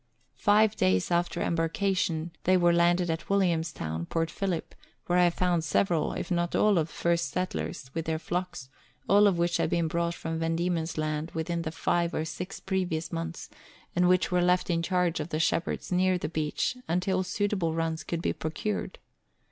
Five days after embarkation they were landed at Williamstown, Port Phillip, where I found several, if not all, of the first settlers, with their flocks, all of which had been brought from Van Diemen's Land within the five or six previous months, and which were left in charge of the shepherds near the beach until suitable runs could be pro cured.